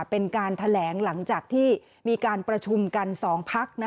เป็นการแถลงหลังจากที่มีการประชุมกัน๒พัก